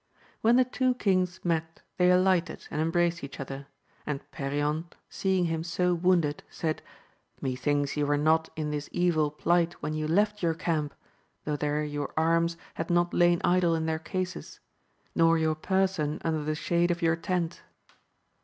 When the two kings met they alighted and embraced each other; and Perion, seeing him so wounded, said, Methinks you were not in this evil plight when you left your camp, though there your arms had not lain idle in their cases;. nor your person under the shade of your tent.